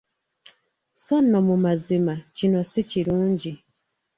So nno mu mazima, kino si kirungi.